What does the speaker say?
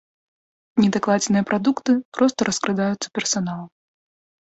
Недакладзеныя прадукты проста раскрадаюцца персаналам.